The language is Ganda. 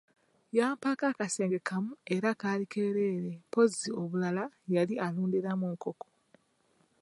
Yampaako akasenge kamu era kaali keereere mpozzi obulala yali alundiramu nkoko.